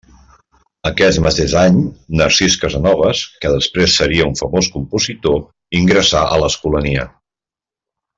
Aquest mateix any, Narcís Casanoves, que després seria un famós compositor, ingressà a l'Escolania.